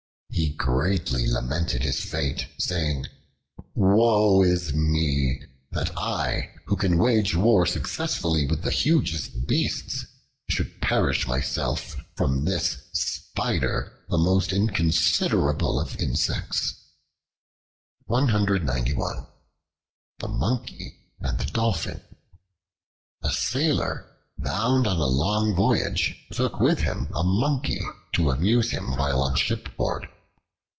He greatly lamented his fate, saying, "Woe is me! that I, who can wage war successfully with the hugest beasts, should perish myself from this spider, the most inconsiderable of insects!" The Monkey and the Dolphin A SAILOR, bound on a long voyage, took with him a Monkey to amuse him while on shipboard.